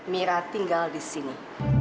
mira tinggal disini